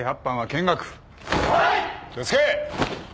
気を付け！